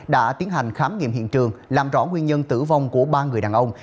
đã tiến hành khám nghiệm hiện trường làm rõ nguyên nhân tử vong của ba người đàn ông